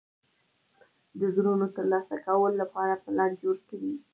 د زړونو ترلاسه کولو لپاره پلان جوړ کړ.